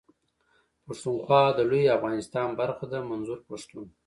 پښتونخوا د لوی افغانستان برخه ده منظور پښتون.